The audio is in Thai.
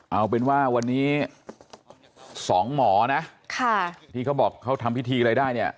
เอาเป็นว่าวันนี้สองหมอนะที่เขาบอกเขาทำพิธีอะไรได้เนี่ย